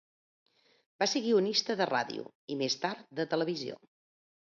Va ser guionista de ràdio i, més tard, de televisió.